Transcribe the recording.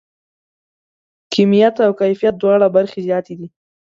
کیمیت او کیفیت دواړه برخې زیاتې دي.